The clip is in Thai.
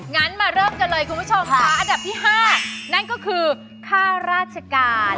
งั้นมาเริ่มกันเลยคุณผู้ชมค่ะอันดับที่๕นั่นก็คือค่าราชการ